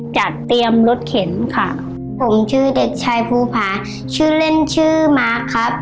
จัดเตรียมรถเข็นค่ะ